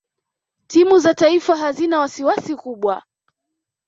timu za taifa hazina wasiwasi kubwa